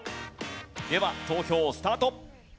では投票スタート！